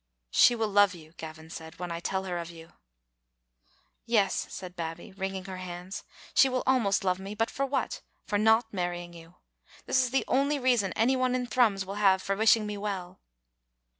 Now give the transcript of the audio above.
" She will love you," Gavin said, " when I tell her of you." "Yes," said Babbie, wringing her hands; "she will almost love me, but for what? For not marrying you. That is the only reason any one in Thrums will have for wishing me well.